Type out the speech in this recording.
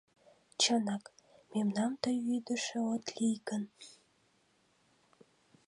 Чынак, мемнам тый вӱдышӧ от лий гын